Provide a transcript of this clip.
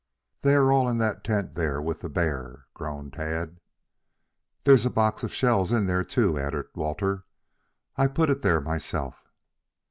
"They are all in that tent there with the bear," groaned Tad. "There's a box of shells in there, too," added Walter. "I put it there myself."